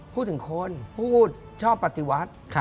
พูดถึงคนพูดชอบปฏิวัติ